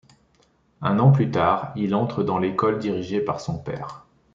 Un an plus tard, il entre dans l'école dirigé par son père.